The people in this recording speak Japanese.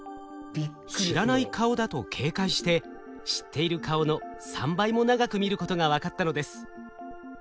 知らない顔だと警戒して知っている顔の３倍も長く見ることが分かったのです。